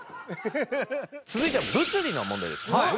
続いては物理の問題です。